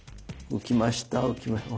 浮きました。